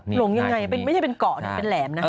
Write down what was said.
หลงยังไงไม่ใช่เป็นเกาะนะเป็นแหลมนะ